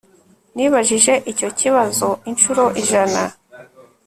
Nibajije icyo kibazo inshuro ijana